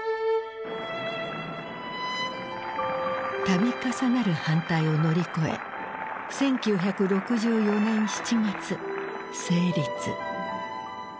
度重なる反対を乗り越え１９６４年７月成立。